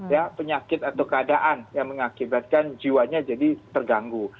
ya penyakit atau keadaan yang mengakibatkan jiwanya jadi terganggu